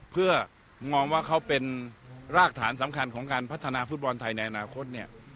เพื่อมองว่าเขาเป็นรากฐานสำคัญของการพัฒนาฟุตบอลไทยในอนาคต